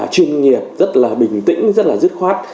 chuyên nghiệp rất là bình tĩnh rất là dứt khoát